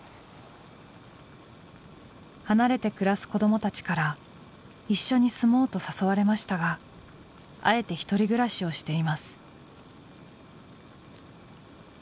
離れて暮らす子どもたちから一緒に住もうと誘われましたがあえて独り暮らしをしています。